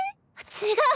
違う！